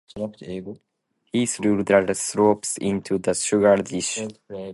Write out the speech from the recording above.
He threw the slops into the sugar-dish.